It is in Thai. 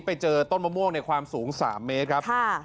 ไปเจอต้นมะม่วงในความสูง๓เมตรครับ